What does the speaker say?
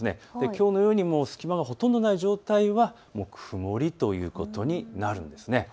きょうのように隙間がほとんどない状態は曇りということになるんです。